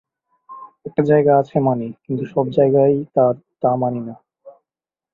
একটা জায়গা আছে মানি, কিন্তু সব জায়গাই তার তা মানি নে।